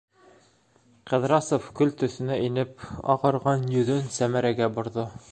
Ҡыҙрасов көл төҫөнә инеп ағарған йөҙөн Сәмәрәгә борҙо: